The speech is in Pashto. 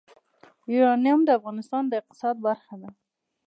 یورانیم د افغانستان د اقتصاد برخه ده.